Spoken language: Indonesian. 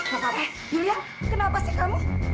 bapak eh yulia kenapa sih kamu